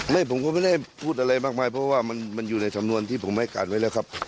ผมก็ไม่ได้พูดอะไรมากมายเพราะว่ามันอยู่ในสำนวนที่ผมให้การไว้แล้วครับ